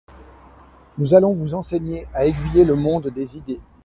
Nous allons vous enseigner à aiguiller le monde des idées.